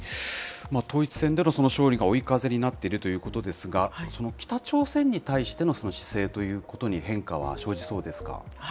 統一選での勝利が追い風になっているということですが、その北朝鮮に対しての姿勢ということに変化は生じそうですか？